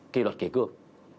kỳ luật kể cương